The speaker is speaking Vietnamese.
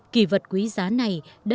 kỳ vật quý giá này đều